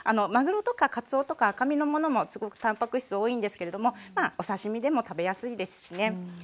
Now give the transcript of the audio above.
マグロとかカツオとか赤身のものもすごくたんぱく質多いんですけれどもまあお刺身でも食べやすいですしね。